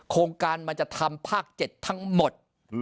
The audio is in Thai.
โครงการมันจะทำภาค๗ทั้งหมด